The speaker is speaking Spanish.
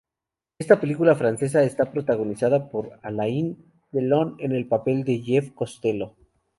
Esta película francesa está protagonizada por Alain Delon, en el papel de Jef Costello.